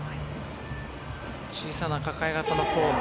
小さな抱え型のフォーム。